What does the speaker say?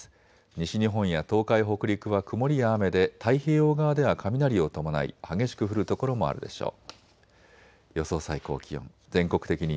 西日本や東海、北陸は曇りや雨で太平洋側では雷を伴い激しく降る所もあるでしょう。